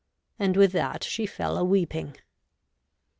And with that she fell a weeping.